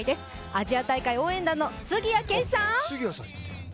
アジア大会応援団の杉谷拳士さん！